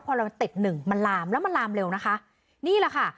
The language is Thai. พอเราติดหนึ่งมันลามแล้วมันลามเร็วนะคะนี่แหละค่ะ